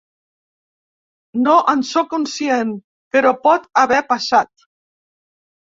No en sóc conscient, però pot haver passat.